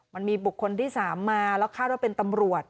มันมีบุคคลที่๓มาแล้วคาดว่าเป็นตำรวจ